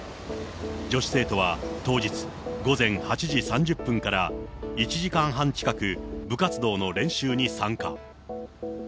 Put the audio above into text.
女子生徒は当日、午前８時３０分から１時間半近く部活動の練習に参加。